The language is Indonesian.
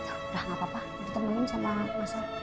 udah gak apa apa ditemenin sama masa